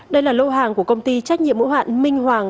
đây là lô hàng của công ty trách nhiệm hữu hạn minh hoàng